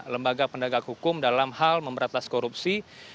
lembaga penegak hukum dalam hal memberatas korupsi